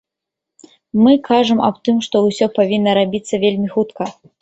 Мы кажам аб тым, што ўсё павінна рабіцца вельмі хутка.